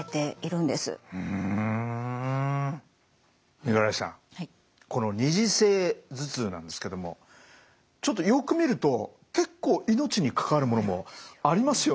五十嵐さんこの二次性頭痛なんですけどもちょっとよく見ると結構命に関わるものもありますよね？